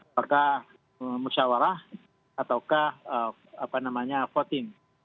apakah musyawara ataukah voting